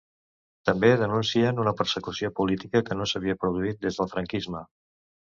També denuncien una persecució política que no s’havia produït des del franquisme.